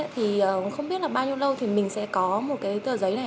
thì không biết là bao nhiêu lâu thì mình sẽ có một cái tờ giấy này ạ